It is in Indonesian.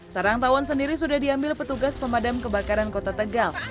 sarang tawon sendiri sudah diambil petugas pemadam kebakaran kota tegal